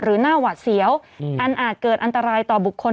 ผู้ต้องหาที่ขับขี่รถจากอายานยนต์บิ๊กไบท์